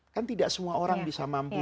kan tidak semua orang bisa mampu